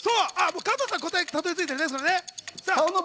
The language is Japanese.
加藤さんは答えにたどり着いたね。